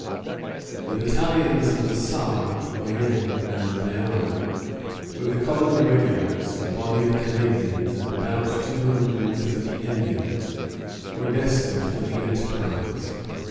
The battalions of La Sarre, Guienne, and Béarn, with the colony regulars, a body of Canadians, and about two hundred and fifty Indians, were destined for the enterprise.